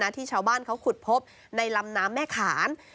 ที่ชาวบ้านเขาขุดพบในลำน้ำแม่ขาน